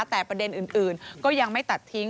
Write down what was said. แต่ประเด็นอื่นก็ยังไม่ตัดทิ้ง